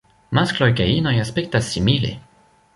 Maskloj kaj inoj aspektas simile.